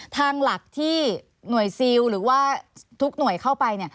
ทางหลักที่หน่วยซิลหรือว่าทุกหน่วยเข้าไป